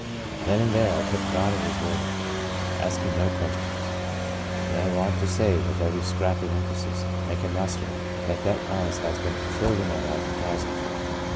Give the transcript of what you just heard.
Then and there I took God at His word, asking no questions. And I want to say with every scrap of emphasis I can muster, that that promise has been fulfilled in my life a thou sandfold.